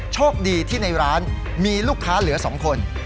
โชคดีที่ในร้านมีลูกค้าเหลือ๒คน